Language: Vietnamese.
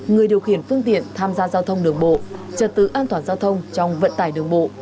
người điều khiển phương tiện tham gia giao thông đường bộ trật tự an toàn giao thông trong vận tải đường bộ